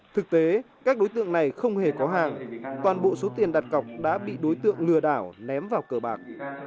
thực tế các đối tượng này không hề có hàng toàn bộ số tiền đặt cọc đã bị đối tượng lừa đảo ném vào cờ bạc